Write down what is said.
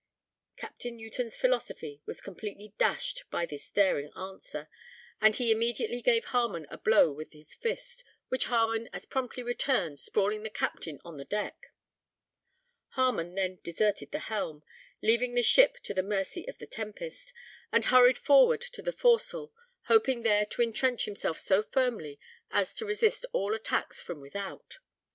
Capt. Newton's philosophy was completely dashed by this daring answer, and he immediately gave Harmon a blow with his fist, which Harmon as promptly returned sprawling the captain on the deck. Harmon then deserted the helm, leaving the ship to the mercy of the tempest, and hurried forward to the forecastle, hoping there to intrench himself so firmly as to resist all attacks from without.